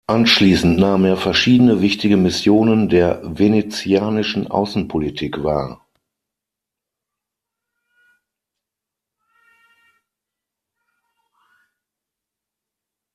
Anschließend nahm er verschiedene wichtige Missionen der venezianischen Außenpolitik wahr.